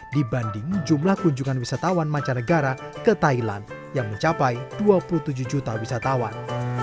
dibanding jumlah kunjungan wisatawan mancanegara ke thailand yang mencapai dua puluh tujuh juta wisatawan